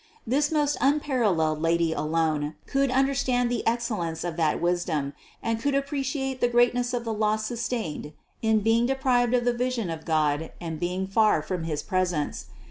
This most unparalleled Lady alone could understand the excellence of that wisdom and could appreciate the greatness of the loss sustained in being deprived of the vision of God and in being far from his presence.